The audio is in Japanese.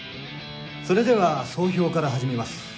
それでは総評から始めます。